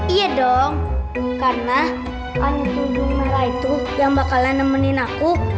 iya dong karena anjing merah itu yang bakalan nemenin aku